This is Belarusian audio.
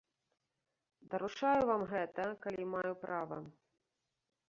Даручаю вам гэта, калі маю права.